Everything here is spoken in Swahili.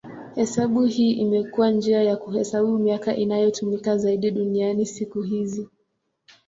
Hesabu hii imekuwa njia ya kuhesabu miaka inayotumika zaidi duniani siku hizi.